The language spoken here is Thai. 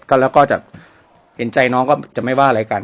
แล้วก็จะเห็นใจน้องก็จะไม่ว่าอะไรกัน